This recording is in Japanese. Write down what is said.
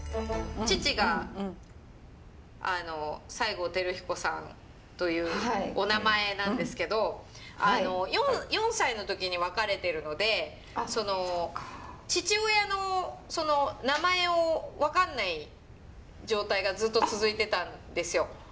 父が西郷輝彦さんというお名前なんですけどあの４歳の時に別れてるので父親の名前を分かんない状態がずっと続いてたんですよ。